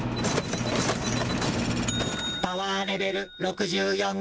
「パワーレベル６４」。